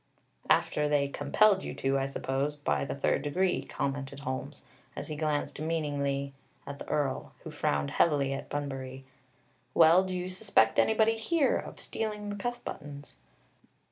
"After they compelled you to, I suppose, by the third degree," commented Holmes, as he glanced meaningly at the Earl, who frowned heavily at Bunbury. "Well, do you suspect anybody here of stealing the cuff buttons?"